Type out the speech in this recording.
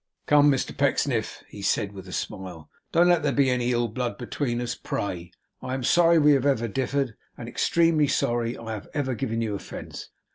'Come, Mr Pecksniff,' he said, with a smile, 'don't let there be any ill blood between us, pray. I am sorry we have ever differed, and extremely sorry I have ever given you offence.